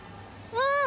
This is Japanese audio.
うん。